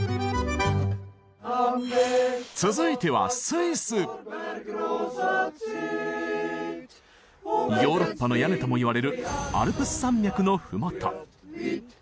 続いてはヨーロッパの屋根ともいわれるアルプス山脈の麓。